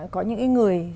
có những cái người